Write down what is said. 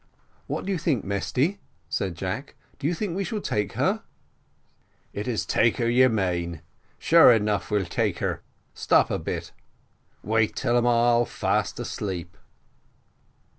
"What do you think, Mesty?" said Jack; "do you think we shall take her?" "It is take her, you mane; sure enough we'll take her, stop a bit wait till um all fast asleep."